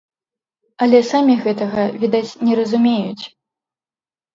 Але самі гэтага, відаць, не разумеюць.